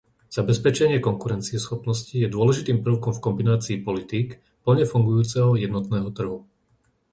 Zabezpečenie konkurencieschopnosti je dôležitým prvkom v kombinácii politík plne fungujúceho jednotného trhu.